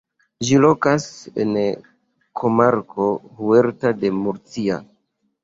Ĝi lokas en komarko Huerta de Murcia.